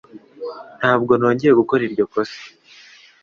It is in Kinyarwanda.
Ntabwo nongeye gukora iryo kosa